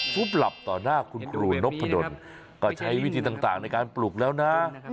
หลับต่อหน้าคุณครูนพดลก็ใช้วิธีต่างในการปลูกแล้วนะ